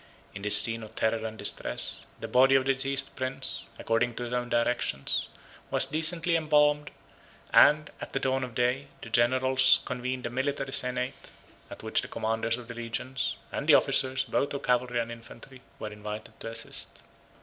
In this scene of terror and distress, the body of the deceased prince, according to his own directions, was decently embalmed; and, at the dawn of day, the generals convened a military senate, at which the commanders of the legions, and the officers both of cavalry and infantry, were invited to assist.